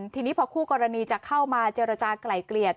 ทีนี้พอคู่กรณีจะเข้ามาเจรจากลายเกลี่ย